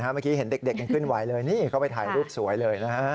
เมื่อกี้เห็นเด็กยังขึ้นไหวเลยนี่เขาไปถ่ายรูปสวยเลยนะฮะ